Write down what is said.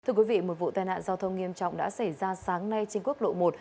thưa quý vị một vụ tai nạn giao thông nghiêm trọng đã xảy ra sáng nay trên quốc lộ một